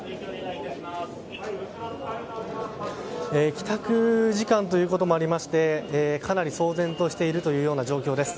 帰宅時間ということもありかなり騒然としている状況です。